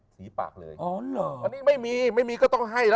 นี้ไม่มีไม่มีก็ต้องให้ล่ะ